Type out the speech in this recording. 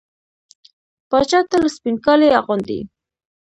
پاچا تل سپين کالي اغوندي .